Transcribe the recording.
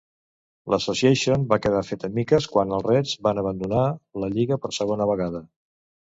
L'Association va quedar feta miques quan els Reds van abandonar la lliga per segona vegada.